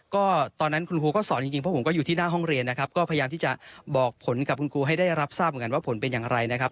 ก็ตอนนั้นคุณครูก็สอนจริงเพราะผมก็อยู่ที่หน้าห้องเรียนนะครับก็พยายามที่จะบอกผลกับคุณครูให้ได้รับทราบเหมือนกันว่าผลเป็นอย่างไรนะครับ